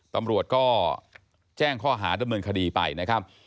ตำรวจก็แจ้งข้อหาดำเนินคดีไปนะครับ